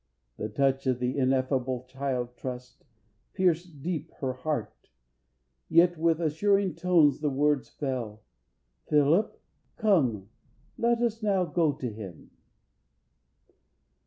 The touch of the ineffable child trust Pierced deep her heart, yet with assuring tones The words fell: "Philip, come, let us now go To him."